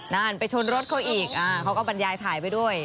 นั่นไปชนรถเขาอีกเขาก็บรรยายถ่ายไปด้วย